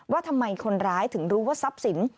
ว่าทำไมคนร้ายถึงรู้ว่าทรัพย์สิน